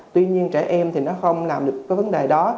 tuy nhiên trẻ em thì nó không làm được cái vấn đề đó